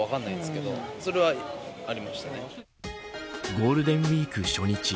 ゴールデンウイーク初日。